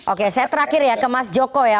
oke saya terakhir ya ke mas joko ya